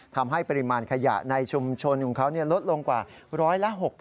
ทำให้ปริมาณขยะในชุมชนของเขาลดลงกว่า๑๖๐